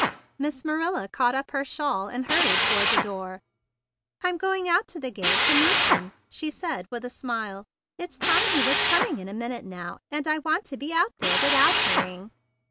Miss Marilla caught up her cape, and hurried toward the door. "I'm going out to the gate to meet him," she said with a smile. "It's time he was coming in a minute now, and I want to be out there without hurrying."